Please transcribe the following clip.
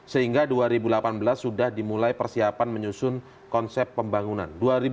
sehingga dua ribu delapan belas sudah dimulai persiapan menyusun konsep pembangunan